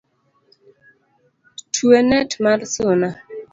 Twe net mar suna